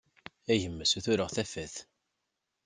A gma ssutureγ tafat.